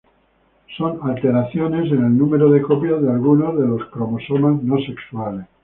Son alteraciones en el número de copias de alguno de los cromosomas no sexuales.